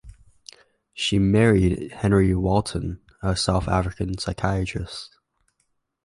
She married Henry Walton, a South African psychiatrist.